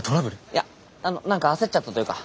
いやあの何か焦っちゃったというか。